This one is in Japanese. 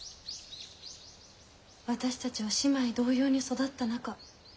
私たちは姉妹同様に育った仲。